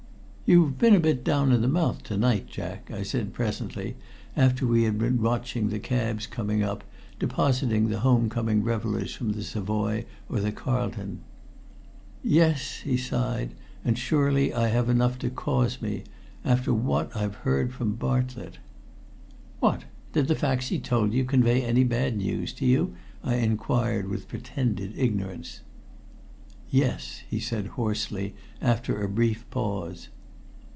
"You've been a bit down in the mouth to night, Jack," I said presently, after we had been watching the cabs coming up, depositing the home coming revelers from the Savoy or the Carlton. "Yes," he sighed. "And surely I have enough to cause me after what I've heard from Bartlett." "What! Did the facts he told us convey any bad news to you?" I inquired with pretended ignorance. "Yes," he said hoarsely, after a brief pause.